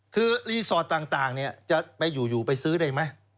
คือรีสอร์ทต่างจะไปอยู่ไปซื้อได้ไหม